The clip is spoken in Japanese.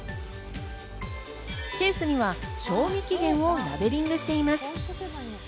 ケースには賞味期限をラベリングしています。